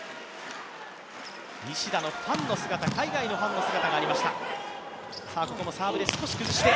西田の、海外のファンの姿がありました。